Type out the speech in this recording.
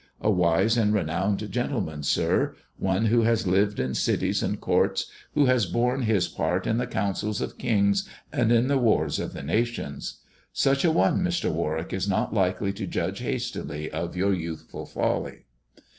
A wise and renowned gentleman, sir, one who has lived in cities and courts ; who has borne his pai't in the councils of kings and in the wars of the nations. Such a one, Mr. Warwick, is not likely to judge hastily of your youthful folly."